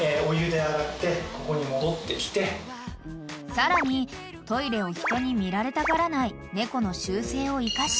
［さらにトイレを人に見られたがらない猫の習性を生かし］